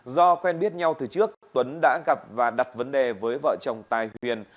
do quen biết nhau từ trước tuấn đã gặp và đặt vấn đề với vợ chồng tài huyền